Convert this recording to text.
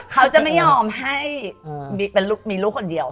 เขาจะไม่ยอมให้มีลูกคนเดียว